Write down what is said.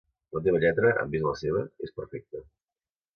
La teva lletra, en vist la seva, és perfecta.